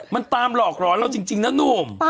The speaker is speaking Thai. มันตามหลอกหลอนแล้วจริงนะนม